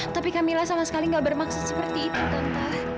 tapi kamila sama sekali gak bermaksud seperti itu tante